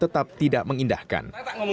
tetap tidak mengindahkan